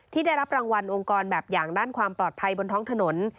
ได้รับรางวัลองค์กรแบบอย่างด้านความปลอดภัยบนท้องถนน